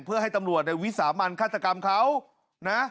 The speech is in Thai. เพื่อให้ตำรวจในวิสามันฆาตกรรมเขานะ